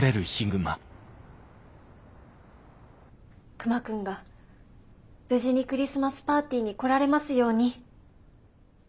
熊くんが無事にクリスマスパーティーに来られますように。